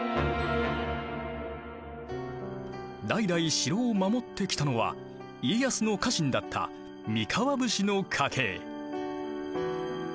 代々城を守ってきたのは家康の家臣だった三河武士の家系。